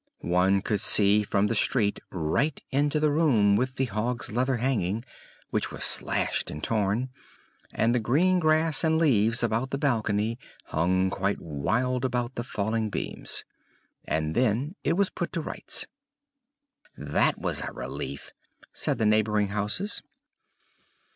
One could see from the street right into the room with the hog's leather hanging, which was slashed and torn; and the green grass and leaves about the balcony hung quite wild about the falling beams. And then it was put to rights. "That was a relief," said the neighboring houses.